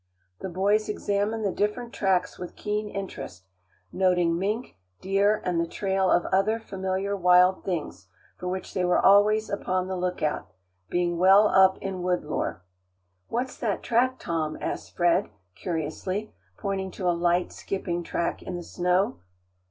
The boys examined the different tracks with keen interest, noting mink, deer, and the trail of other familiar wild things, for which they were always upon the lookout, being well up in wood lore. "What's that track, Tom?" asked Fred, curiously, pointing to a light, skipping track in the snow.